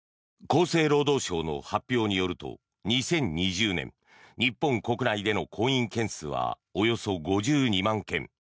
厚生労働省の発表によると２０２０年日本国内での婚姻件数はおよそ５２万件。